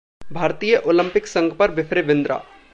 भारतीय ओलंपिक संघ पर बिफरे बिंद्रा